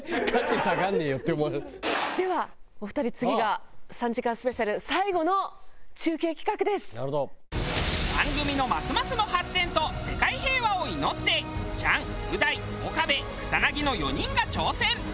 ではお二人次が番組のますますの発展と世界平和を祈ってチャンう大岡部草薙の４人が挑戦。